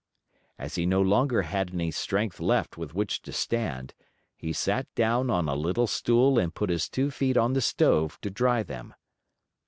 As he no longer had any strength left with which to stand, he sat down on a little stool and put his two feet on the stove to dry them.